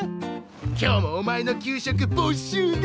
今日もお前の給食没収だ！